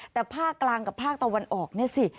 แต่ภาคกลางกับภาคตะวันออกเนี่ยสิ